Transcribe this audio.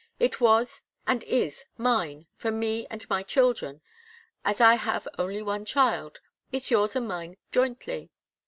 It was and is mine, for me and my children. As I have only one child, it's yours and mine jointly.